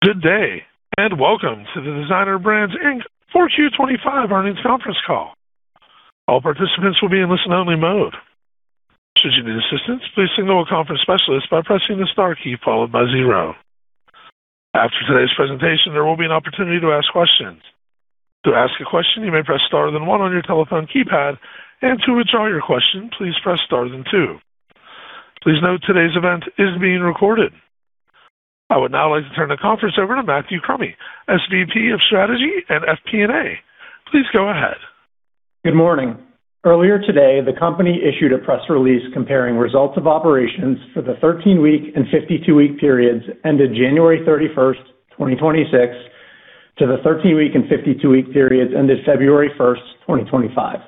Good day, and welcome to the Designer Brands Inc. Q4 2025 Earnings Conference Call. All participants will be in listen-only mode. Should you need assistance, please signal a conference specialist by pressing the star key followed by zero. After today's presentation, there will be an opportunity to ask questions. To ask a question, you may press star then one on your telephone keypad, and to withdraw your question, please press star then two. Please note today's event is being recorded. I would now like to turn the conference over to Matthew Crummy, SVP of Strategy and FP&A. Please go ahead. Good morning. Earlier today, the company issued a press release comparing results of operations for the 13-week and 52-week periods ended January 31, 2026 to the 13-week and 52-week periods ended February 1, 2025.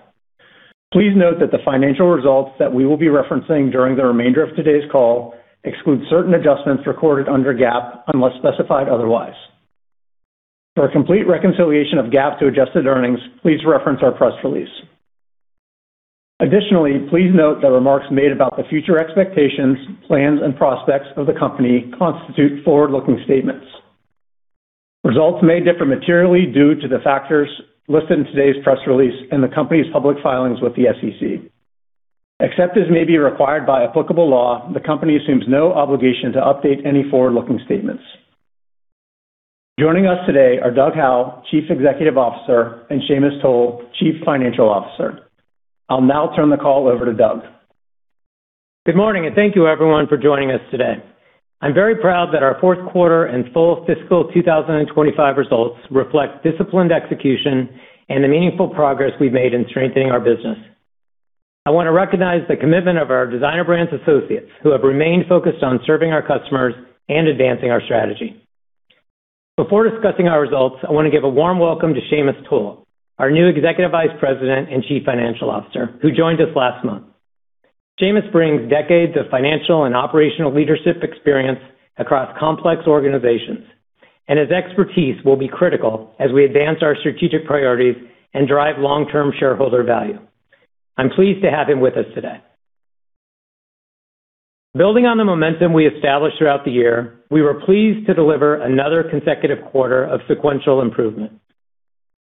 Please note that the financial results that we will be referencing during the remainder of today's call exclude certain adjustments recorded under GAAP, unless specified otherwise. For a complete reconciliation of GAAP to adjusted earnings, please reference our press release. Additionally, please note that remarks made about the future expectations, plans, and prospects of the company constitute forward-looking statements. Results may differ materially due to the factors listed in today's press release in the company's public filings with the SEC. Except as may be required by applicable law, the Company assumes no obligation to update any forward-looking statements. Joining us today are Doug Howe, Chief Executive Officer, and Sheamus Toal, Chief Financial Officer. I'll now turn the call over to Doug. Good morning, and thank you everyone for joining us today. I'm very proud that our Q4 and full fiscal 2025 results reflect disciplined execution and the meaningful progress we've made in strengthening our business. I want to recognize the commitment of our Designer Brands associates who have remained focused on serving our customers and advancing our strategy. Before discussing our results, I want to give a warm welcome to Sheamus Toal, our new Executive Vice President and Chief Financial Officer, who joined us last month. Sheamus brings decades of financial and operational leadership experience across complex organizations, and his expertise will be critical as we advance our strategic priorities and drive long-term shareholder value. I'm pleased to have him with us today. Building on the momentum we established throughout the year, we were pleased to deliver another consecutive quarter of sequential improvement.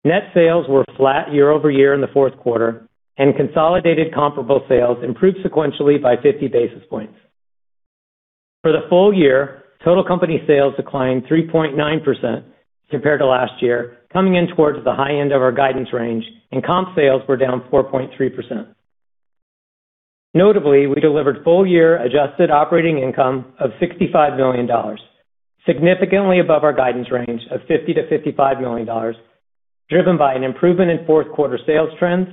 Net sales were flat year-over-year in the Q4, and consolidated comparable sales improved sequentially by 50 basis points. For the full year, total company sales declined 3.9% compared to last year, coming in towards the high end of our guidance range, and comp sales were down 4.3%. Notably, we delivered full year adjusted operating income of $65 million, significantly above our guidance range of $50 million-$55 million, driven by an improvement in Q4 sales trends,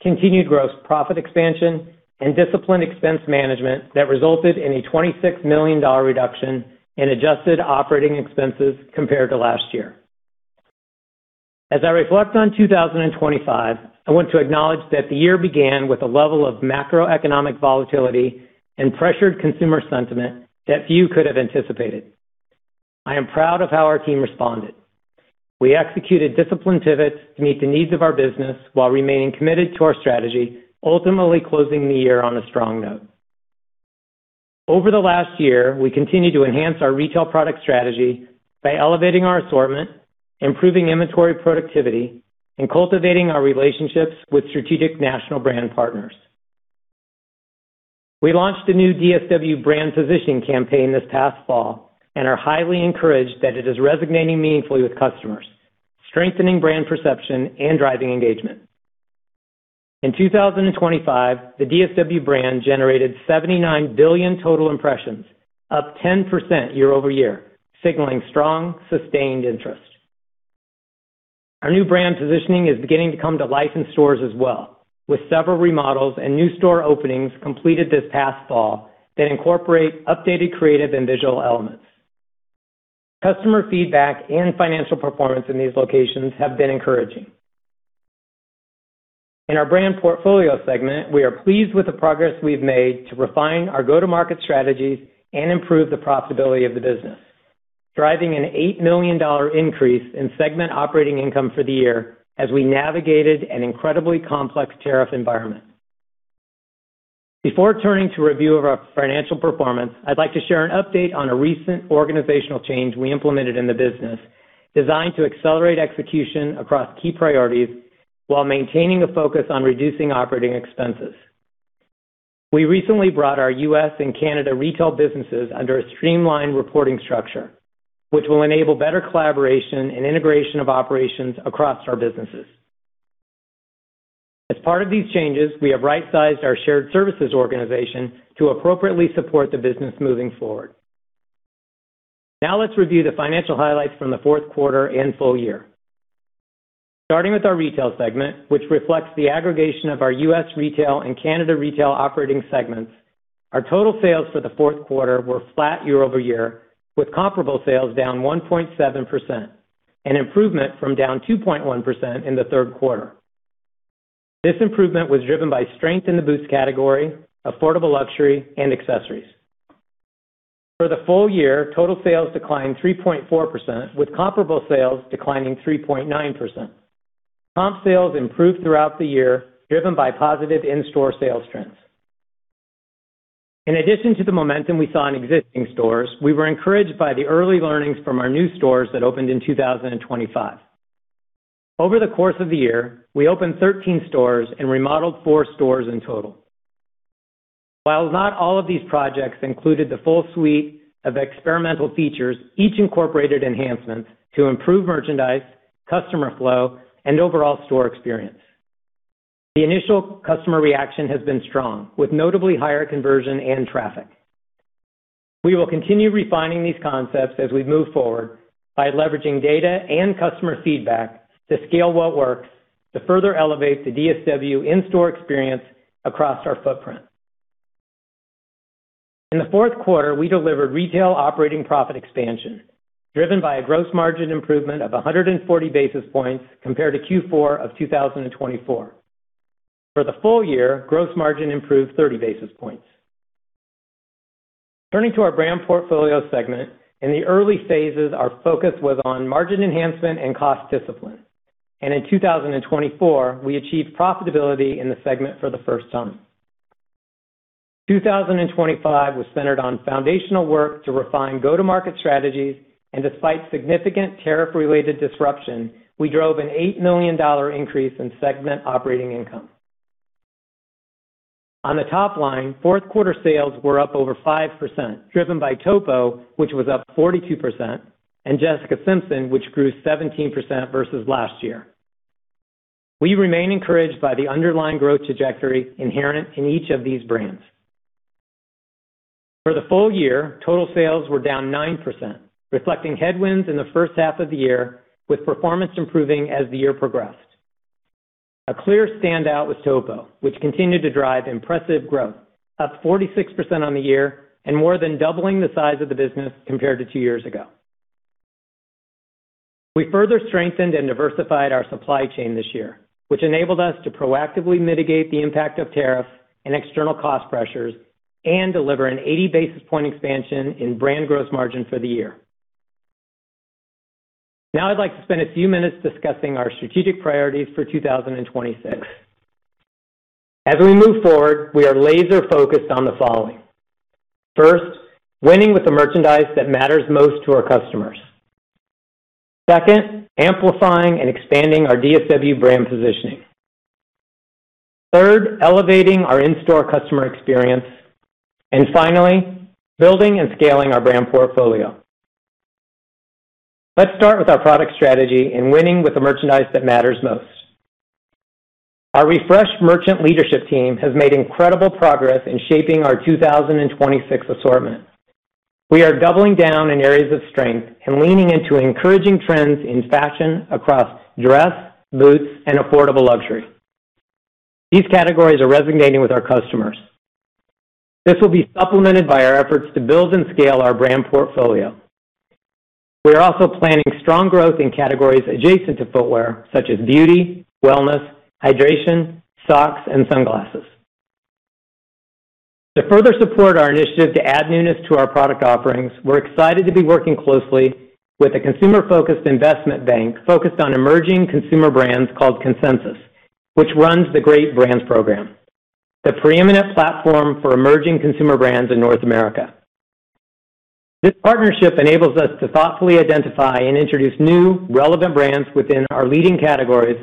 continued gross profit expansion, and disciplined expense management that resulted in a $26 million reduction in adjusted operating expenses compared to last year. As I reflect on 2025, I want to acknowledge that the year began with a level of macroeconomic volatility and pressured consumer sentiment that few could have anticipated. I am proud of how our team responded. We executed disciplined pivots to meet the needs of our business while remaining committed to our strategy, ultimately closing the year on a strong note. Over the last year, we continued to enhance our retail product strategy by elevating our assortment, improving inventory productivity, and cultivating our relationships with strategic national brand partners. We launched a new DSW brand positioning campaign this past fall and are highly encouraged that it is resonating meaningfully with customers, strengthening brand perception and driving engagement. In 2025, the DSW brand generated 79 billion total impressions, up 10% year-over-year, signaling strong, sustained interest. Our new brand positioning is beginning to come to life in stores as well, with several remodels and new store openings completed this past fall that incorporate updated creative and visual elements. Customer feedback and financial performance in these locations have been encouraging. In our brand portfolio segment, we are pleased with the progress we've made to refine our go-to-market strategies and improve the profitability of the business, driving a $8 million increase in segment operating income for the year as we navigated an incredibly complex tariff environment. Before turning to review of our financial performance, I'd like to share an update on a recent organizational change we implemented in the business designed to accelerate execution across key priorities while maintaining a focus on reducing operating expenses. We recently brought our U.S. and Canada retail businesses under a streamlined reporting structure, which will enable better collaboration and integration of operations across our businesses. As part of these changes, we have right-sized our shared services organization to appropriately support the business moving forward. Now let's review the financial highlights from the Q4 and full year. Starting with our retail segment, which reflects the aggregation of our U.S. retail and Canada retail operating segments, our total sales for the Q4 were flat year-over-year, with comparable sales down 1.7%, an improvement from down 2.1% in the Q4. This improvement was driven by strength in the boots category, affordable luxury, and accessories. For the full year, total sales declined 3.4%, with comparable sales declining 3.9%. Comp sales improved throughout the year, driven by positive in-store sales trends. In addition to the momentum we saw in existing stores, we were encouraged by the early learnings from our new stores that opened in 2025. Over the course of the year, we opened 13 stores and remodeled four stores in total. While not all of these projects included the full suite of experimental features, each incorporated enhancements to improve merchandise, customer flow, and overall store experience. The initial customer reaction has been strong, with notably higher conversion and traffic. We will continue refining these concepts as we move forward by leveraging data and customer feedback to scale what works to further elevate the DSW in-store experience across our footprint. In the Q4, we delivered retail operating profit expansion, driven by a gross margin improvement of 140 basis points compared to Q4 of 2024. For the full year, gross margin improved 30 basis points. Turning to our brand portfolio segment, in the early phases, our focus was on margin enhancement and cost discipline. In 2024, we achieved profitability in the segment for the first time. 2025 was centered on foundational work to refine go-to-market strategies. Despite significant tariff-related disruption, we drove an $8 million increase in segment operating income. On the top line, Q4 sales were up over 5%, driven by Topo, which was up 42%, and Jessica Simpson, which grew 17% versus last year. We remain encouraged by the underlying growth trajectory inherent in each of these brands. For the full year, total sales were down 9%, reflecting headwinds in the first half of the year, with performance improving as the year progressed. A clear standout was Topo, which continued to drive impressive growth, up 46% on the year and more than doubling the size of the business compared to two years ago. We further strengthened and diversified our supply chain this year, which enabled us to proactively mitigate the impact of tariffs and external cost pressures and deliver an 80 basis points expansion in brand gross margin for the year. Now I'd like to spend a few minutes discussing our strategic priorities for 2026. As we move forward, we are laser-focused on the following. First, winning with the merchandise that matters most to our customers. Second, amplifying and expanding our DSW brand positioning. Third, elevating our in-store customer experience. Finally, building and scaling our brand portfolio. Let's start with our product strategy and winning with the merchandise that matters most. Our refreshed merchant leadership team has made incredible progress in shaping our 2026 assortment. We are doubling down in areas of strength and leaning into encouraging trends in fashion across dress, boots, and affordable luxury. These categories are resonating with our customers. This will be supplemented by our efforts to build and scale our brand portfolio. We are also planning strong growth in categories adjacent to footwear, such as beauty, wellness, hydration, socks, and sunglasses. To further support our initiative to add newness to our product offerings, we're excited to be working closely with a consumer-focused investment bank focused on emerging consumer brands called Consensus, which runs the Consensus Great Brands program, the preeminent platform for emerging consumer brands in North America. This partnership enables us to thoughtfully identify and introduce new, relevant brands within our leading categories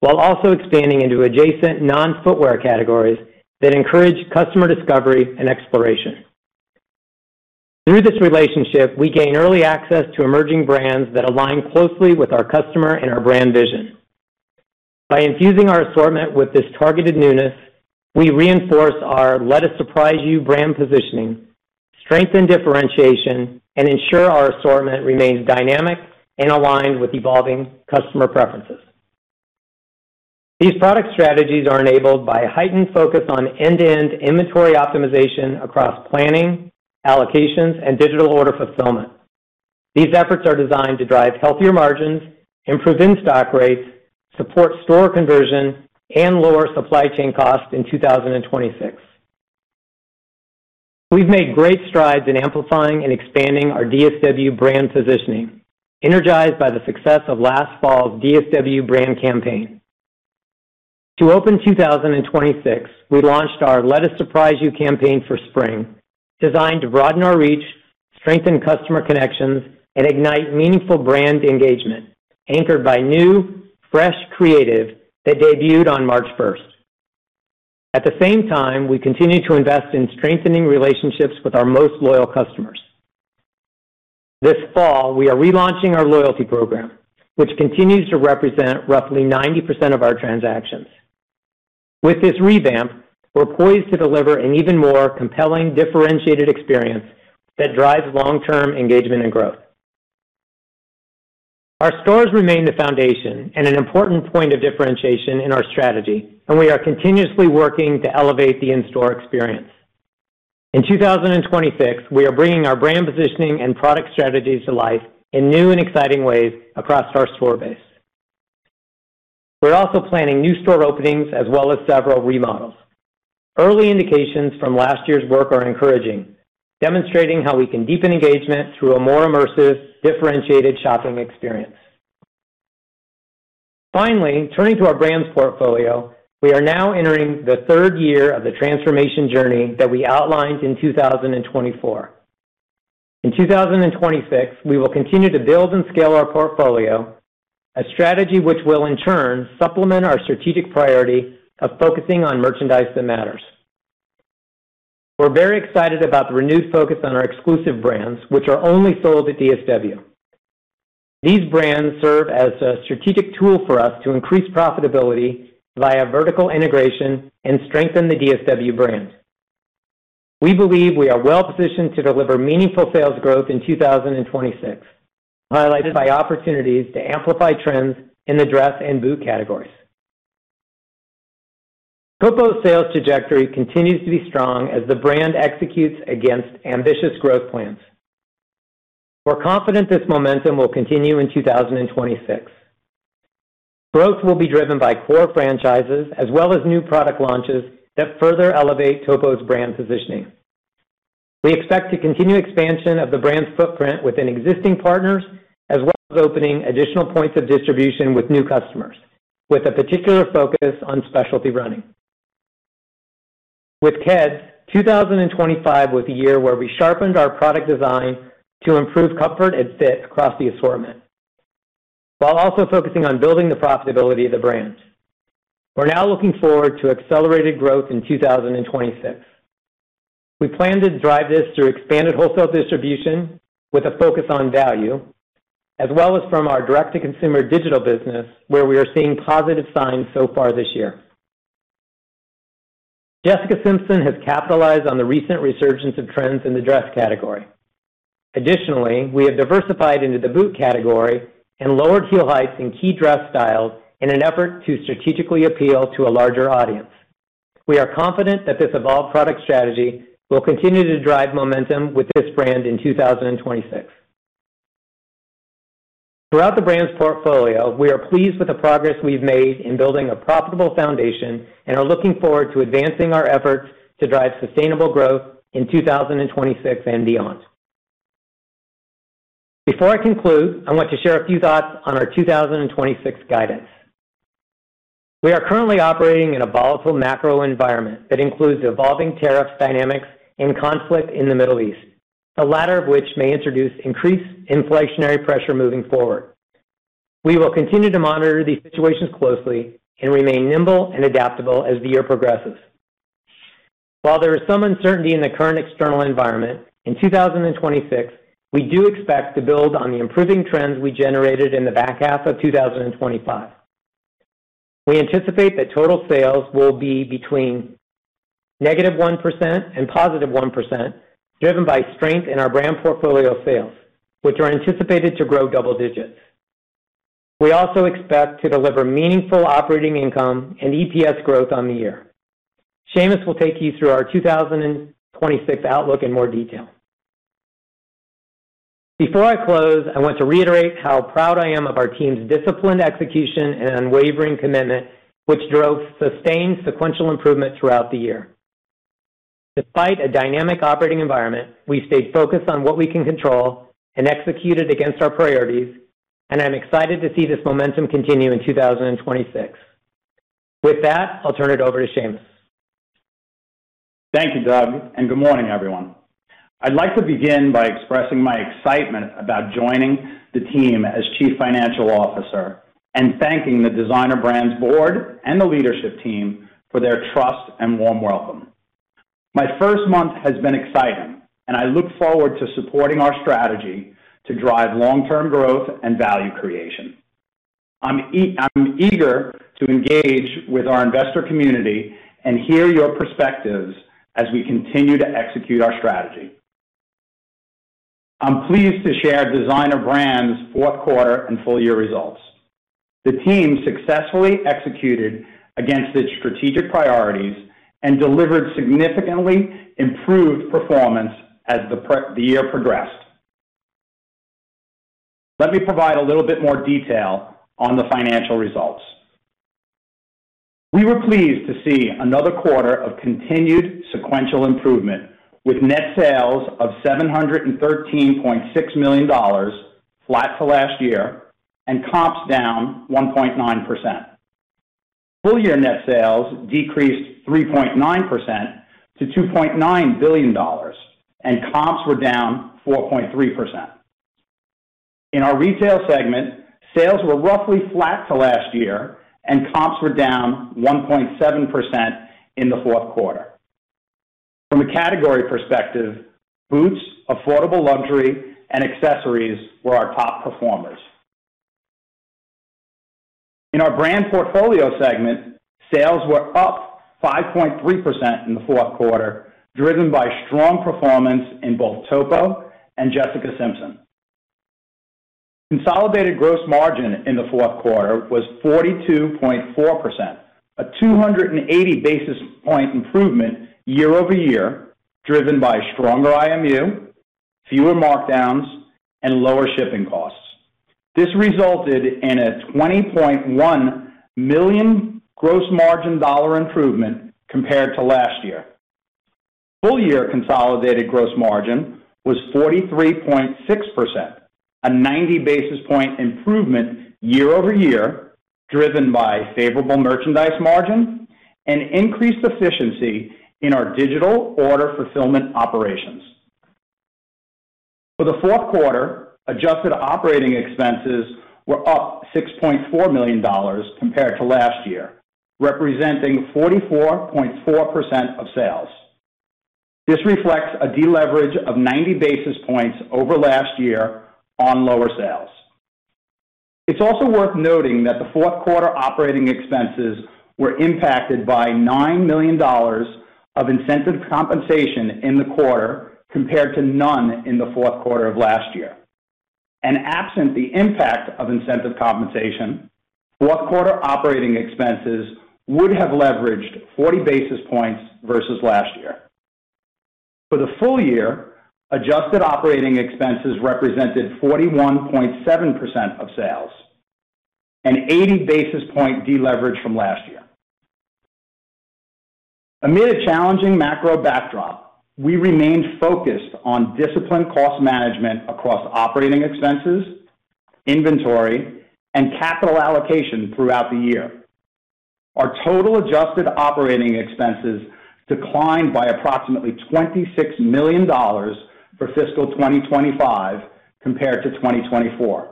while also expanding into adjacent non-footwear categories that encourage customer discovery and exploration. Through this relationship, we gain early access to emerging brands that align closely with our customer and our brand vision. By infusing our assortment with this targeted newness, we reinforce our Let Us Surprise You brand positioning, strengthen differentiation, and ensure our assortment remains dynamic and aligned with evolving customer preferences. These product strategies are enabled by a heightened focus on end-to-end inventory optimization across planning, allocations, and digital order fulfillment. These efforts are designed to drive healthier margins, improve in-stock rates, support store conversion, and lower supply chain costs in 2026. We've made great strides in amplifying and expanding our DSW brand positioning, energized by the success of last fall's DSW brand campaign. To open 2026, we launched our Let Us Surprise You campaign for spring, designed to broaden our reach, strengthen customer connections, and ignite meaningful brand engagement, anchored by new, fresh creative that debuted on March first. At the same time, we continue to invest in strengthening relationships with our most loyal customers. This fall, we are relaunching our loyalty program, which continues to represent roughly 90% of our transactions. With this revamp, we're poised to deliver an even more compelling, differentiated experience that drives long-term engagement and growth. Our stores remain the foundation and an important point of differentiation in our strategy, and we are continuously working to elevate the in-store experience. In 2026, we are bringing our brand positioning and product strategies to life in new and exciting ways across our store base. We're also planning new store openings as well as several remodels. Early indications from last year's work are encouraging, demonstrating how we can deepen engagement through a more immersive, differentiated shopping experience. Finally, turning to our brands portfolio, we are now entering the third year of the transformation journey that we outlined in 2024. In 2026, we will continue to build and scale our portfolio, a strategy which will in turn supplement our strategic priority of focusing on merchandise that matters. We're very excited about the renewed focus on our exclusive brands, which are only sold at DSW. These brands serve as a strategic tool for us to increase profitability via vertical integration and strengthen the DSW brand. We believe we are well-positioned to deliver meaningful sales growth in 2026, highlighted by opportunities to amplify trends in the dress and boot categories. Topo’s sales trajectory continues to be strong as the brand executes against ambitious growth plans. We’re confident this momentum will continue in 2026. Growth will be driven by core franchises as well as new product launches that further elevate Topo’s brand positioning. We expect to continue expansion of the brand’s footprint within existing partners, as well as opening additional points of distribution with new customers, with a particular focus on specialty running. With Keds, 2025 was a year where we sharpened our product design to improve comfort and fit across the assortment, while also focusing on building the profitability of the brand. We’re now looking forward to accelerated growth in 2026. We plan to drive this through expanded wholesale distribution with a focus on value, as well as from our direct-to-consumer digital business, where we are seeing positive signs so far this year. Jessica Simpson has capitalized on the recent resurgence of trends in the dress category. Additionally, we have diversified into the boot category and lowered heel heights in key dress styles in an effort to strategically appeal to a larger audience. We are confident that this evolved product strategy will continue to drive momentum with this brand in 2026. Throughout the brand's portfolio, we are pleased with the progress we've made in building a profitable foundation and are looking forward to advancing our efforts to drive sustainable growth in 2026 and beyond. Before I conclude, I want to share a few thoughts on our 2026 guidance. We are currently operating in a volatile macro environment that includes evolving tariff dynamics and conflict in the Middle East, the latter of which may introduce increased inflationary pressure moving forward. We will continue to monitor these situations closely and remain nimble and adaptable as the year progresses. While there is some uncertainty in the current external environment, in 2026, we do expect to build on the improving trends we generated in the back half of 2025. We anticipate that total sales will be between -1% and +1%, driven by strength in our brand portfolio sales, which are anticipated to grow double digits. We also expect to deliver meaningful operating income and EPS growth on the year. Sheamus will take you through our 2026 outlook in more detail. Before I close, I want to reiterate how proud I am of our team's disciplined execution and unwavering commitment, which drove sustained sequential improvement throughout the year. Despite a dynamic operating environment, we stayed focused on what we can control and executed against our priorities, and I'm excited to see this momentum continue in 2026. With that, I'll turn it over to Sheamus. Thank you, Doug, and good morning, everyone. I'd like to begin by expressing my excitement about joining the team as Chief Financial Officer and thanking the Designer Brands board and the leadership team for their trust and warm welcome. My first month has been exciting, and I look forward to supporting our strategy to drive long-term growth and value creation. I'm eager to engage with our investor community and hear your perspectives as we continue to execute our strategy. I'm pleased to share Designer Brands' Q4 and full year results. The team successfully executed against its strategic priorities and delivered significantly improved performance as the year progressed. Let me provide a little bit more detail on the financial results. We were pleased to see another quarter of continued sequential improvement, with net sales of $713.6 million, flat to last year, and comps down 1.9%. Full year net sales decreased 3.9% to $2.9 billion, and comps were down 4.3%. In our retail segment, sales were roughly flat to last year, and comps were down 1.7% in the Q4. From a category perspective, boots, affordable luxury, and accessories were our top performers. In our brand portfolio segment, sales were up 5.3% in the Q4, driven by strong performance in both Topo and Jessica Simpson. Consolidated gross margin in the Q4 was 42.4%, a 280 basis point improvement year-over-year, driven by stronger IMU, fewer markdowns, and lower shipping costs. This resulted in a $20.1 million gross margin dollar improvement compared to last year. Full year consolidated gross margin was 43.6%, a 90 basis point improvement year-over-year, driven by favorable merchandise margin and increased efficiency in our digital order fulfillment operations. For the Q4, adjusted operating expenses were up $6.4 million compared to last year, representing 44.4% of sales. This reflects a deleverage of 90 basis points over last year on lower sales. It's also worth noting that the Q4 operating expenses were impacted by $9 million of incentive compensation in the quarter compared to none in the Q4 of last year. Absent the impact of incentive compensation, Q4 operating expenses would have leveraged 40 basis points versus last year. For the full year, adjusted operating expenses represented 41.7% of sales, an 80 basis point deleverage from last year. Amid a challenging macro backdrop, we remained focused on disciplined cost management across operating expenses, inventory and capital allocation throughout the year. Our total adjusted operating expenses declined by approximately $26 million for fiscal 2025 compared to 2024.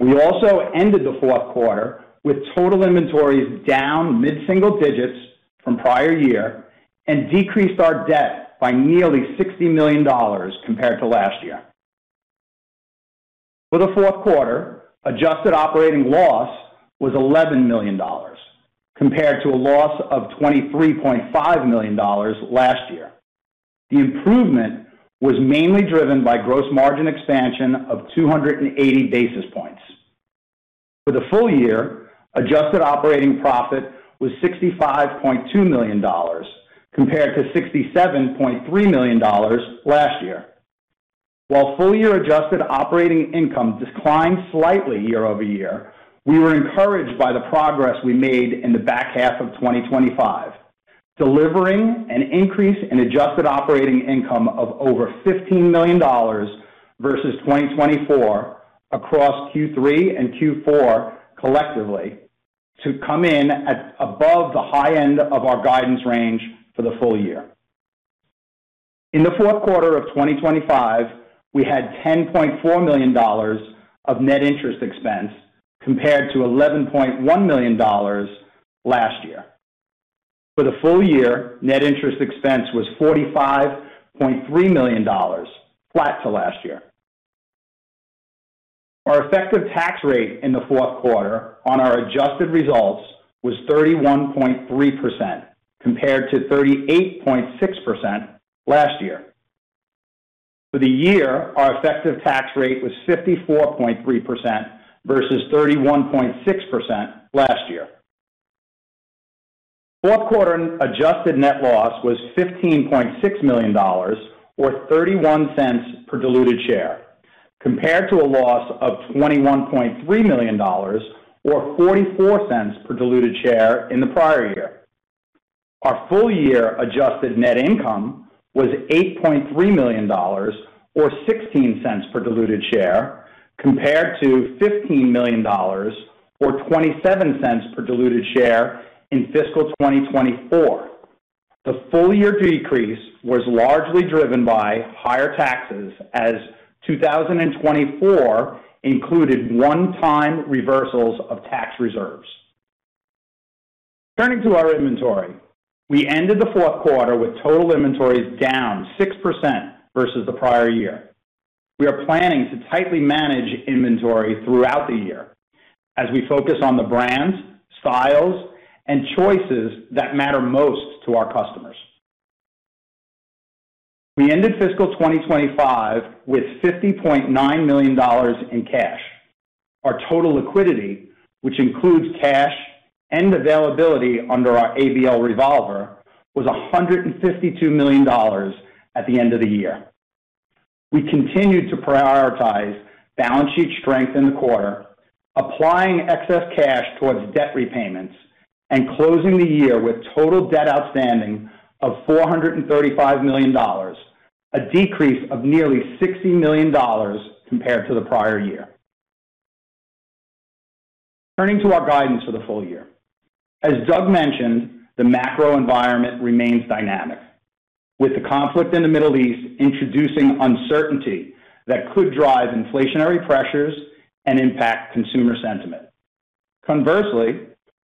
We also ended the Q4 with total inventories down mid-single digits from prior year and decreased our debt by nearly $60 million compared to last year. For the Q4, adjusted operating loss was $11 million, compared to a loss of $23.5 million last year. The improvement was mainly driven by gross margin expansion of 280 basis points. For the full year, adjusted operating profit was $65.2 million, compared to $67.3 million last year. While full year adjusted operating income declined slightly year-over-year, we were encouraged by the progress we made in the back half of 2025, delivering an increase in adjusted operating income of over $15 million versus 2024 across Q3 and Q4 collectively to come in at above the high end of our guidance range for the full year. In the Q4 of 2025, we had $10.4 million of net interest expense, compared to $11.1 million last year. For the full year, net interest expense was $45.3 million, flat to last year. Our effective tax rate in the Q4 on our adjusted results was 31.3%, compared to 38.6% last year. For the year, our effective tax rate was 54.3% versus 31.6% last year. Q4 adjusted net loss was $15.6 million or 31 cents per diluted share, compared to a loss of $21.3 million or 44 cents per diluted share in the prior year. Our full year adjusted net income was $8.3 million or 16 cents per diluted share, compared to $15 million or 27 cents per diluted share in fiscal 2024. The full year decrease was largely driven by higher taxes as 2024 included one-time reversals of tax reserves. Turning to our inventory, we ended the Q4 with total inventories down 6% versus the prior year. We are planning to tightly manage inventory throughout the year as we focus on the brands, styles, and choices that matter most to our customers. We ended fiscal 2025 with $50.9 million in cash. Our total liquidity, which includes cash and availability under our ABL revolver, was $152 million at the end of the year. We continued to prioritize balance sheet strength in the quarter, applying excess cash towards debt repayments and closing the year with total debt outstanding of $435 million, a decrease of nearly $60 million compared to the prior year. Turning to our guidance for the full year. As Doug mentioned, the macro environment remains dynamic, with the conflict in the Middle East introducing uncertainty that could drive inflationary pressures and impact consumer sentiment. Conversely,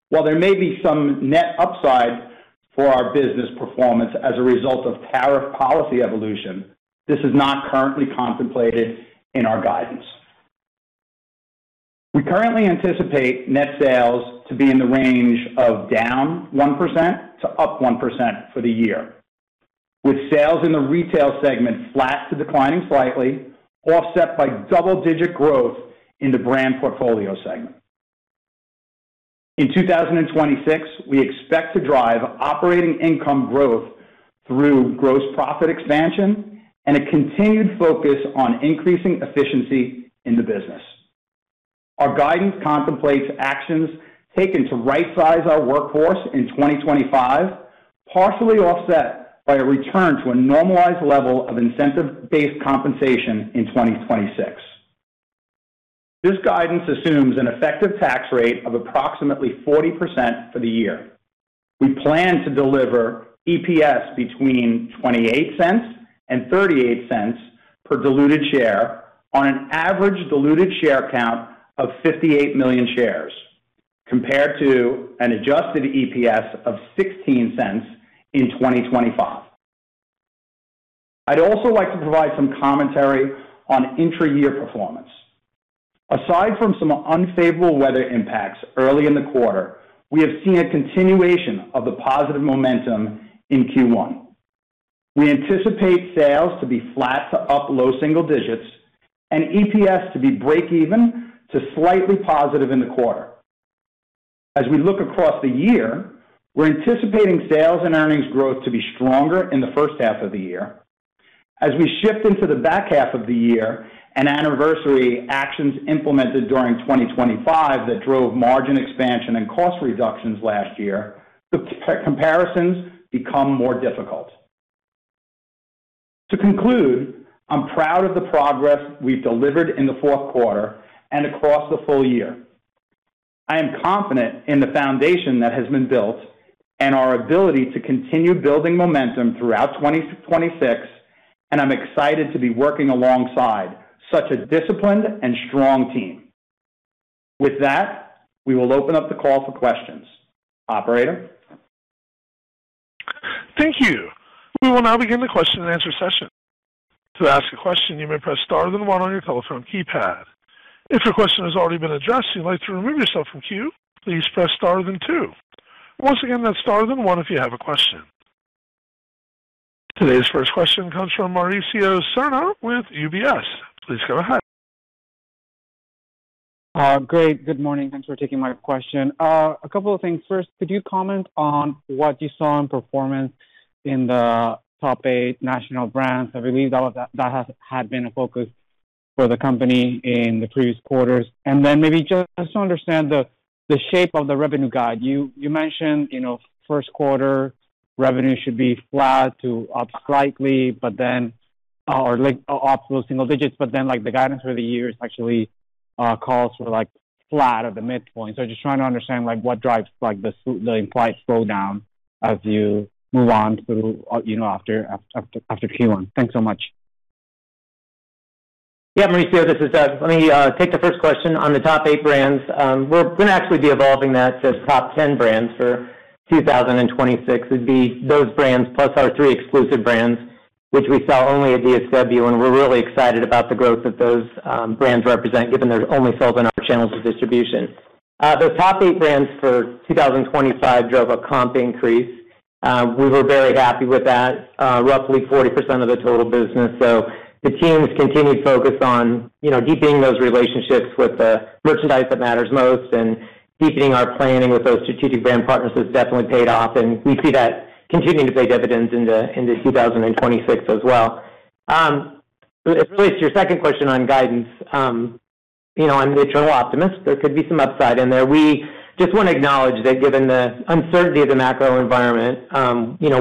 while there may be some net upside for our business performance as a result of tariff policy evolution, this is not currently contemplated in our guidance. We currently anticipate net sales to be in the range of down 1% to up 1% for the year, with sales in the retail segment flat to declining slightly, offset by double-digit growth in the brand portfolio segment. In 2026, we expect to drive operating income growth through gross profit expansion and a continued focus on increasing efficiency in the business. Our guidance contemplates actions taken to rightsize our workforce in 2025, partially offset by a return to a normalized level of incentive-based compensation in 2026. This guidance assumes an effective tax rate of approximately 40% for the year. We plan to deliver EPS between $0.28 and $0.38 per diluted share on an average diluted share count of 58 million shares, compared to an adjusted EPS of $0.16 in 2025. I'd also like to provide some commentary on intra-year performance. Aside from some unfavorable weather impacts early in the quarter, we have seen a continuation of the positive momentum in Q1. We anticipate sales to be flat to up low single digits% and EPS to be breakeven to slightly positive in the quarter. As we look across the year, we're anticipating sales and earnings growth to be stronger in the first half of the year. As we shift into the back half of the year and anniversary actions implemented during 2025 that drove margin expansion and cost reductions last year, the comparisons become more difficult. To conclude, I'm proud of the progress we've delivered in the Q4 and across the full year. I am confident in the foundation that has been built and our ability to continue building momentum throughout 2026, and I'm excited to be working alongside such a disciplined and strong team. With that, we will open up the call for questions. Operator. Thank you. We will now begin the question and answer session. To ask a question, you may press star then one on your telephone keypad. If your question has already been addressed, you'd like to remove yourself from queue, please press star then two. Once again, that's star then one if you have a question. Today's first question comes from Mauricio Serna with UBS. Please go ahead. Great. Good morning. Thanks for taking my question. A couple of things. First, could you comment on what you saw in performance in the top eight national brands? I believe that had been a focus for the company in the previous quarters. Then maybe just to understand the shape of the revenue guide. You mentioned Q1 revenue should be flat to up slightly, but then, like, up to those single digits. Then, like, the guidance for the year is actually calls for like flat at the midpoint. Just trying to understand like what drives like this implied slowdown as you move on through after Q1. Thanks so much. Yeah, Mauricio, this is Doug. Let me take the first question on the top eight brands. We're actually going to be evolving that to top ten brands for 2026. It'd be those brands plus our three exclusive brands, which we sell only at DSW, and we're really excited about the growth that those brands represent, given they're only sold in our channels of distribution. Those top eight brands for 2025 drove a comp increase. We were very happy with that, roughly 40% of the total business. The team's continued focus on deepening those relationships with the merchandise that matters most and deepening our planning with those strategic brand partners has definitely paid off, and we see that continuing to pay dividends into 2026 as well. It relates to your second question on guidance. I'm the eternal optimist. There could be some upside in there. We just want to acknowledge that given the uncertainty of the macro environment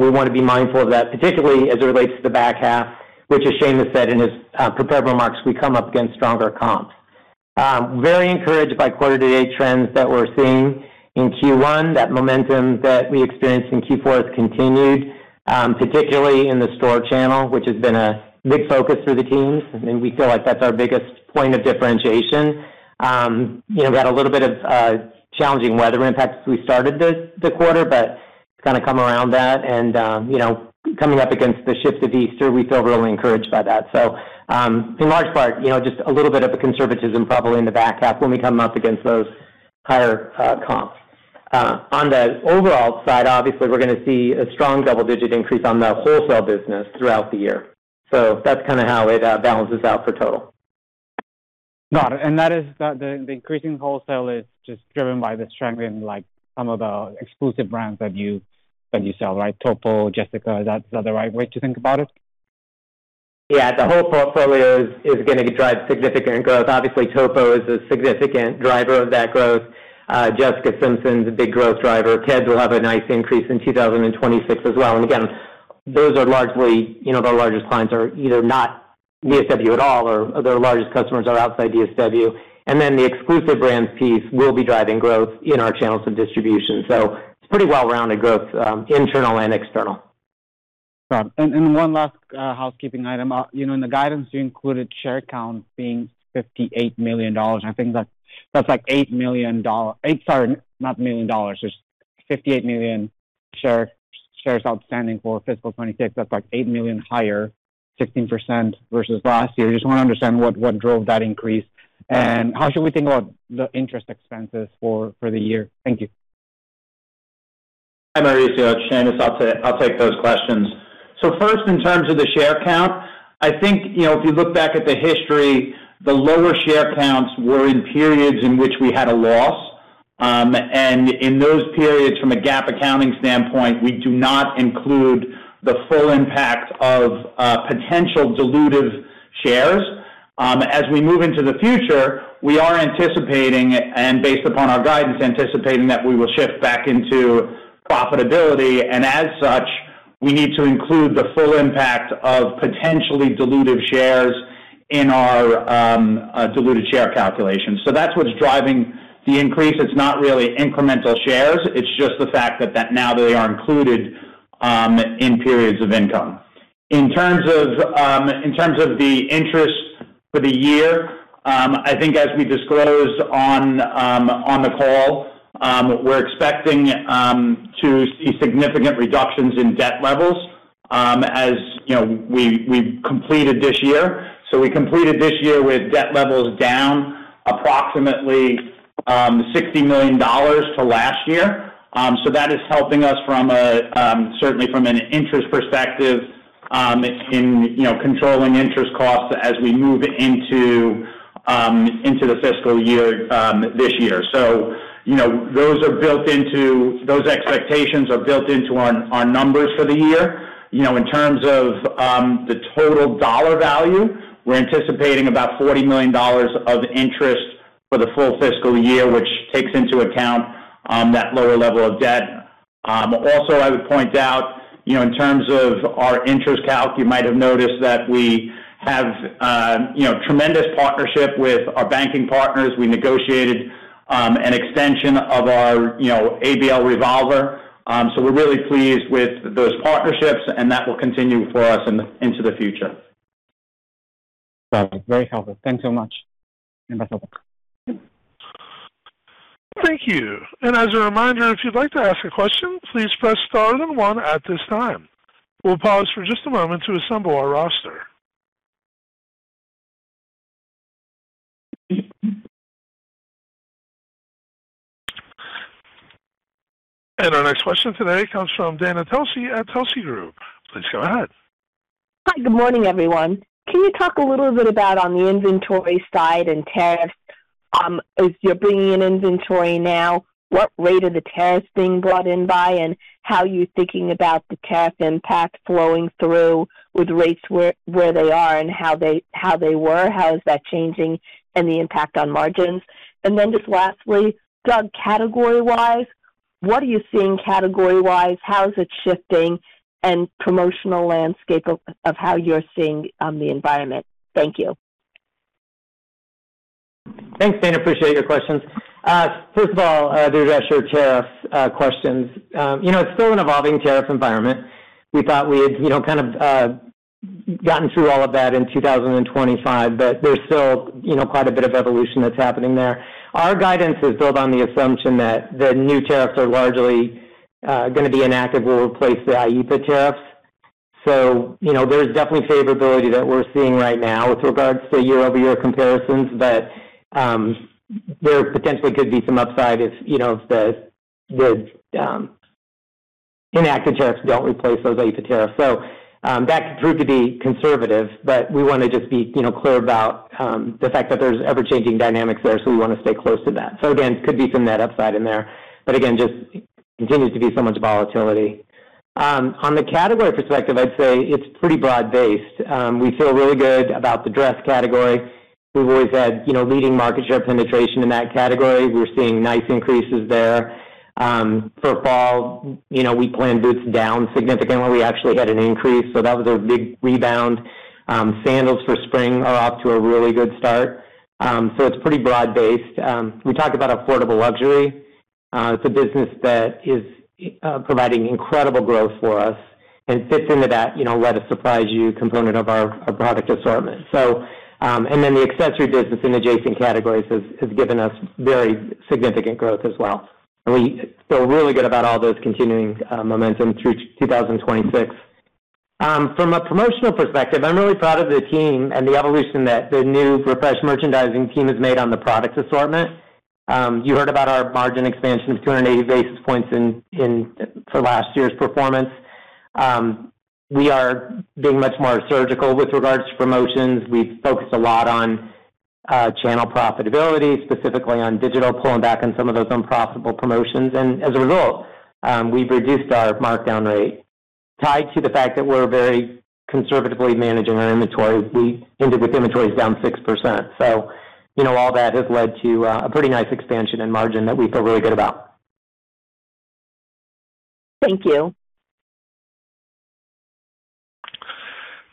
we wanna be mindful of that, particularly as it relates to the back half, which as Sheamus said in his prepared remarks, we come up against stronger comps. Very encouraged by quarter to date trends that we're seeing in Q1. That momentum that we experienced in Q4 has continued, particularly in the store channel, which has been a big focus for the teams. We feel like that's our biggest point of differentiation. We had a little bit of challenging weather impacts as we started the quarter, but kind of came around that and coming up against the shift of Easter, we feel really encouraged by that. In large part just a little bit of a conservatism probably in the back half when we come up against those higher comps. On the overall side, obviously, we're gonna see a strong double-digit increase on the wholesale business throughout the year. That's kind of how it balances out for total. Got it. The increase in wholesale is just driven by the strength in, like, some of the exclusive brands that you sell, right? Topo, Jessica, is that the right way to think about it? Yeah. The whole portfolio is gonna drive significant growth. Obviously, Topo is a significant driver of that growth. Jessica Simpson is a big growth driver. Ted will have a nice increase in 2026 as well. Again, those are largely their largest clients are either not DSW at all or their largest customers are outside DSW. Then the exclusive brands piece will be driving growth in our channels of distribution. It's pretty well-rounded growth, internal and external. Got it. One last housekeeping item. In the guidance you included share count being 58 million shares outstanding for fiscal 2026. That's like 8 million higher, 16% versus last year. Just wanna understand what drove that increase and how should we think about the interest expenses for the year. Thank you. Hi, Mauricio. It's Sheamus. I'll take those questions. First, in terms of the share count, I think if you look back at the history, the lower share counts were in periods in which we had a loss. In those periods, from a GAAP accounting standpoint, we do not include the full impact of potential dilutive shares. As we move into the future, we are anticipating and based upon our guidance, anticipating that we will shift back into profitability. As such, we need to include the full impact of potentially dilutive shares in our diluted share calculation. That's what's driving the increase. It's not really incremental shares. It's just the fact that now they are included in periods of income. In terms of the interest for the year, I think as we disclosed on the call, we're expecting to see significant reductions in debt levels, as you know, we've completed this year. We completed this year with debt levels down approximately $60 million to last year. That is helping us certainly from an interest perspective, in controlling interest costs as we move into the fiscal year this year. Those expectations are built into our numbers for the year. In terms of the total dollar value, we're anticipating about $40 million of interest for the full fiscal year, which takes into account that lower level of debt. Also, I would point out in terms of our interest calc, you might have noticed that we have tremendous partnership with our banking partners. We negotiated an extension of our ABL revolver. So we're really pleased with those partnerships, and that will continue for us into the future. Very helpful. Thanks so much. Thank you. As a reminder, if you'd like to ask a question, please press star then one at this time. We'll pause for just a moment to assemble our roster. Our next question today comes from Dana Telsey at Telsey Advisory Group. Please go ahead. Hi. Good morning, everyone. Can you talk a little bit about on the inventory side and tariffs? As you're bringing in inventory now, what rate are the tariffs being brought in by and how you're thinking about the tariff impact flowing through with rates where they are and how they were, how is that changing and the impact on margins? Then just lastly, Doug, category-wise, what are you seeing category-wise? How is it shifting and promotional landscape of how you're seeing the environment? Thank you. Thanks, Dana. Appreciate your questions. First of all, those are such tariff questions. You know, it's still an evolving tariff environment. We thought we had, you know, kind of, gotten through all of that in 2025, but there's still, you know, quite a bit of evolution that's happening there. Our guidance is built on the assumption that the new tariffs are largely gonna be enacted. We'll replace the IEEPA tariffs. You know, there's definitely favorability that we're seeing right now with regards to year-over-year comparisons, but there potentially could be some upside if, you know, the, enacted tariffs don't replace those IEEPA tariffs. That could prove to be conservative, but we wanna just be, you know, clear about the fact that there's ever-changing dynamics there. We wanna stay close to that. Again, could be some net upside in there, but again, just continues to be so much volatility. On the category perspective, I'd say it's pretty broad based. We feel really good about the dress category. We've always had, you know, leading market share penetration in that category. We're seeing nice increases there. For fall, you know, we planned boots down significantly. We actually had an increase, so that was a big rebound. Sandals for spring are off to a really good start. It's pretty broad based. We talked about affordable luxury. It's a business that is providing incredible growth for us and fits into that, you know, let us surprise you component of our product assortment. Then the accessory business in adjacent categories has given us very significant growth as well. We feel really good about all those continuing momentum through 2026. From a promotional perspective, I'm really proud of the team and the evolution that the new refreshed merchandising team has made on the product assortment. You heard about our margin expansion of 280 basis points in for last year's performance. We are being much more surgical with regards to promotions. We've focused a lot on channel profitability, specifically on digital, pulling back on some of those unprofitable promotions. As a result, we've reduced our markdown rate tied to the fact that we're very conservatively managing our inventories. We ended with inventories down 6%. You know, all that has led to a pretty nice expansion in margin that we feel really good about. Thank you.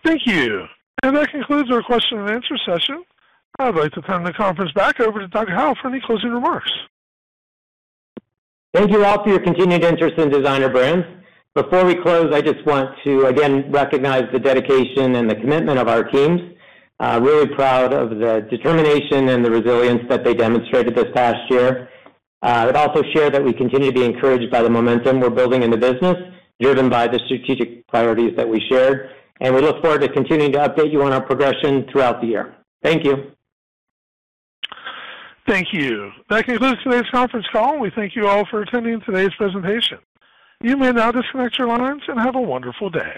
Thank you. That concludes our question and answer session. I'd like to turn the conference back over to Doug Howe for any closing remarks. Thank you all for your continued interest in Designer Brands. Before we close, I just want to again recognize the dedication and the commitment of our teams. Really proud of the determination and the resilience that they demonstrated this past year. I'd also share that we continue to be encouraged by the momentum we're building in the business, driven by the strategic priorities that we shared. We look forward to continuing to update you on our progression throughout the year. Thank you. Thank you. That concludes today's conference call. We thank you all for attending today's presentation. You may now disconnect your lines and have a wonderful day.